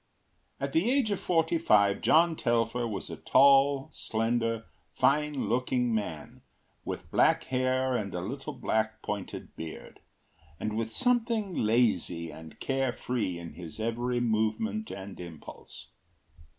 At the age of forty five John Telfer was a tall, slender, fine looking man, with black hair and a little black pointed beard, and with something lazy and care free in his every movement and impulse.